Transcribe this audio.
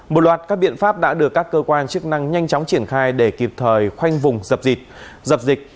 mang chức năng nhanh chóng triển khai để kịp thời khoanh vùng dập dịch